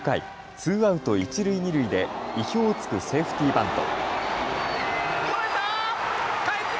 ツーアウト一塁二塁で意表をつくセーフティーバント。